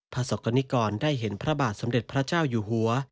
ประสบกรณิกรได้เห็นพระบาทสมเด็จพระเจ้าอยู่หัว